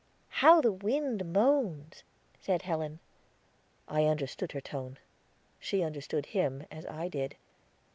"How the wind moans!" said Helen. I understood her tone; she understood him, as I did.